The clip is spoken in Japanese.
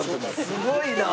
すごいな！